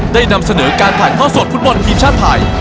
นำเสนอการถ่ายทอดสดฟุตบอลทีมชาติไทย